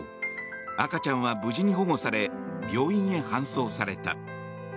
赤ちゃんは無事に保護され病院に搬送された。